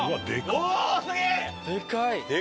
でかい！